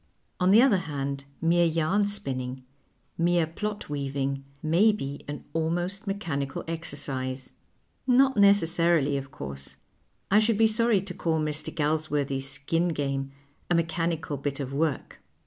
On the other hand, mere yarn spinning, mere plot weaving, may be an almost mechanical exercise. Not necessarily, of course. I should be sorry to call Mr. Galsworthy's Skin Game a mechanical bit of work.